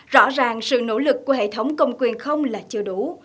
rõ ràng sự nỗ lực của hệ thống công quyền không là chưa đủ